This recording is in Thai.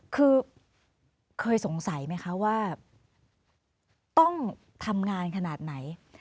คือเคยสงสัยไหมคะว่าต้องทำงานขนาดไหน